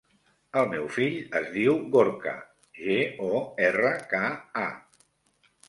El meu fill es diu Gorka: ge, o, erra, ca, a.